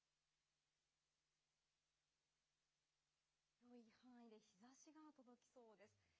広い範囲で日ざしが届きそうです。